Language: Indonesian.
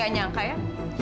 gak nyangka ya